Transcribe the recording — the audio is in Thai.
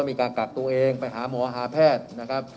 มีการกักตัวเองไปหาหมอหาแพทย์นะครับ